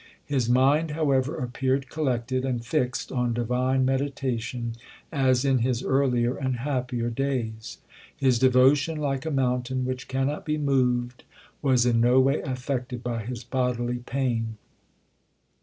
His mind however appeared collected and fixed on divine meditation as in his earlier and happier days. His devotion like a mountain which cannot be moved was in no way affected by his bodily pain.